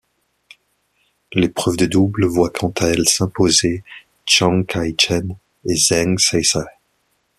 L'épreuve de double voit quant à elle s'imposer Chang Kai-Chen et Zheng Saisai.